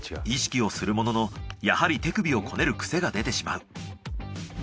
意識をするもののやはり手首をこねるクセが出てしまう。